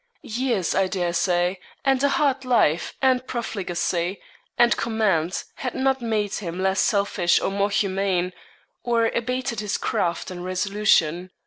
Years, I dare say, and a hard life and profligacy, and command, had not made him less selfish or more humane, or abated his craft and resolution.